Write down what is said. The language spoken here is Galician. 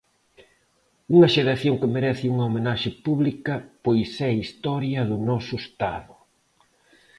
Unha xeración que merece unha homenaxe pública pois é historia do noso Estado.